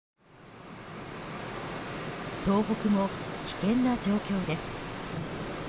東北も危険な状況です。